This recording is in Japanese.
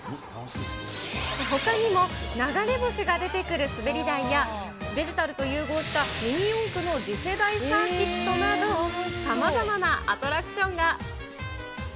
ほかにも流れ星が出てくる滑り台や、デジタルと融合したミニ四駆の次世代サーキットなど、さまざまなアトラクションが。